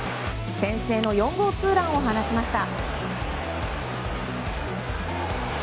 先制の４号ツーランを放ちました。